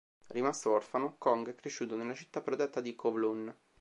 Rimasto orfano, Kong è cresciuto nella città protetta di Kowloon.